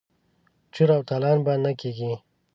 چور او تالان به نه کیږي.